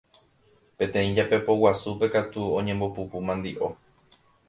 Peteĩ japepo guasúpe katu oñembopupu mandiʼo.